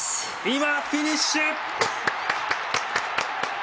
今フィニッシュ！